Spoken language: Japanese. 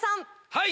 はい！